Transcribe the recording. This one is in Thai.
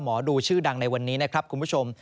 หมอดูชื่อดังในวันนี้นะครับคุณผู้ชม